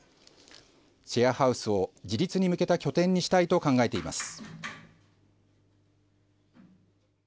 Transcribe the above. シェアハウスを自立に向けた拠点にしたいと考えています。